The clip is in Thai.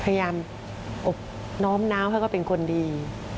พยายามอบน้อมน้าวให้เขาเป็นคนดี